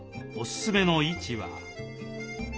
おすすめの位置は。